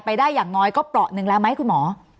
ไปได้อย่างน้อยก็เปราะหนึ่งแล้วไหมคุณหมอ